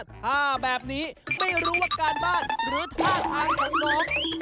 ถ้าแบบนี้ไม่รู้ว่าการบ้านหรือท่าทางของน้อง